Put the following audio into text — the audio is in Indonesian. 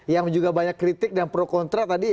yang juga banyak kritik dan pro kontra tadi